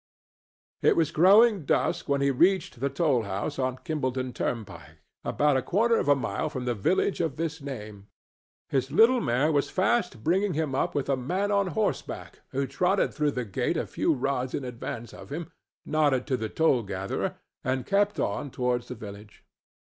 It was growing dusk when he reached the toll house on Kimballton turnpike, about a quarter of a mile from the village of this name. His little mare was fast bringing him up with a man on horseback who trotted through the gate a few rods in advance of him, nodded to the toll gatherer and kept on towards the village.